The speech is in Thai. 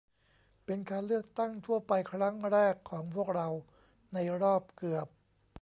เป็นการเลือกตั้งทั่วไปครั้งแรกของพวกเราในรอบเกือบ